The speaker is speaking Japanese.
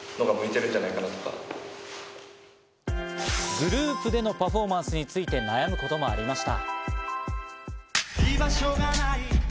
グループでのパフォーマンスについて悩むこともありました。